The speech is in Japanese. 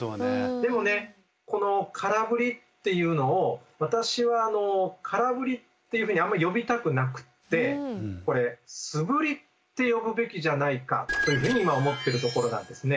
でもねこの空振りっていうのを私は空振りっていうふうにあまり呼びたくなくってこれ素振りって呼ぶべきじゃないかというふうに今思ってるところなんですね。